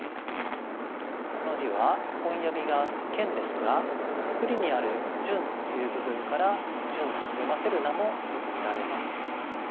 この字は音読みが「ケン」ですがつくりにある「旬」という部分から「ジュン」と読ませる名もよく見られます。